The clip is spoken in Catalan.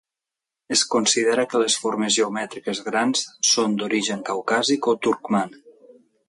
Es considera que les formes geomètriques grans són d'origen caucàsic o turcman.